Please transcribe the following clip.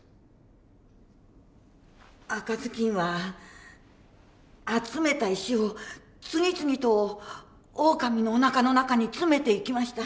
赤ずきんは集めた石を次々とオオカミのおなかの中に詰めていきました。